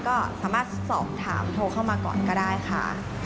ก็สามารถสอบถามโทรเข้ามาก่อนก็ได้ค่ะ